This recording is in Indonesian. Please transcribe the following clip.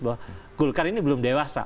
bahwa golkar ini belum dewasa